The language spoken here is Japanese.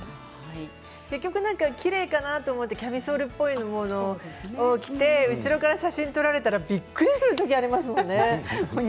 結局きれいかなと思ってキャミソールっぽいものを着て後ろから写真を撮られてびっくりするときもありますよね